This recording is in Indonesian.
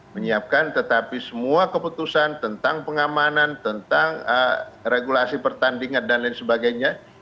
menyiapkan tetapi semua keputusan tentang pengamanan tentang regulasi pertandingan dan lain sebagainya